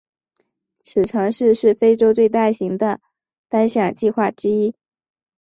此城市是非洲最大型的单项计划之一。